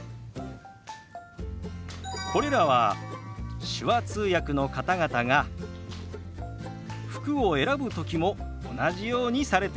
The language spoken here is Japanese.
これらは手話通訳の方々が服を選ぶ時も同じようにされているんですよ。